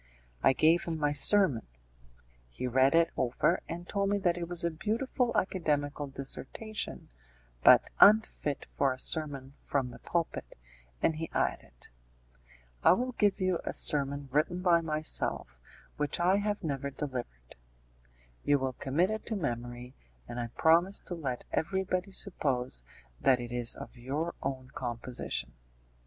I gave him my sermon: he read it over, and told me that it was a beautiful academical dissertation, but unfit for a sermon from the pulpit, and he added, "I will give you a sermon written by myself, which I have never delivered; you will commit it to memory, and I promise to let everybody suppose that it is of your own composition."